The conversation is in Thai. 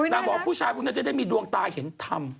บอกผู้ชายพวกนั้นจะได้มีดวงตาเห็นธรรม